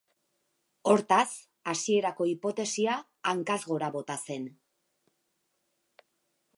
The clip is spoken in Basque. Hortaz, hasierako hipotesia hankaz gora bota zen.